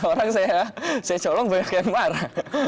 orang saya jolong banyak yang marah